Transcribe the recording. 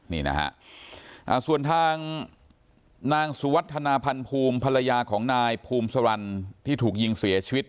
นี่นะฮะส่วนทางนางสุวัฒนาพันธ์ภูมิภรรยาของนายภูมิสรรค์ที่ถูกยิงเสียชีวิต